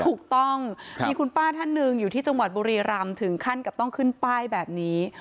ถูกต้องมีคุณป้าท่านหนึ่งอยู่ที่จังหวัดบุรีรำถึงขั้นกับต้องขึ้นป้ายแบบนี้